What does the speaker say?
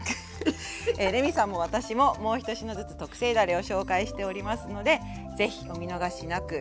レミさんも私ももう１品ずつ特製だれを紹介しておりますので是非お見逃しなく。